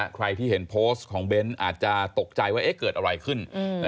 ใครที่เห็นโพสต์ของเบ้นอาจจะตกใจว่าเกิดอะไรขึ้น